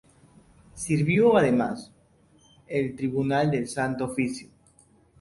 Sirvió además, al Tribunal del Santo Oficio.